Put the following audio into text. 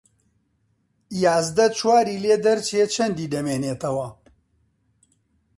یازدە چواری لێدەرچێ چەندی دەمێنێتەوە